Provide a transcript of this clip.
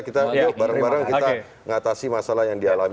kita ngatasi masalah yang dialami